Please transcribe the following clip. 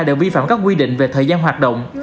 đều vi phạm các quy định về thời gian hoạt động